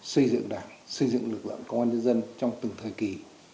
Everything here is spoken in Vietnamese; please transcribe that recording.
xây dựng đảng xây dựng lực lượng công an nhân dân trong từng thời kỳ